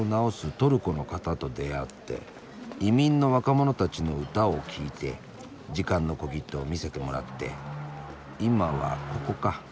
トルコの方と出会って移民の若者たちの歌を聴いて「時間の小切手」を見せてもらって今はここか。